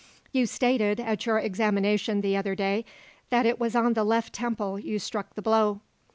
"You stated, at your examination the other day, that it was on the left temple you struck the blow."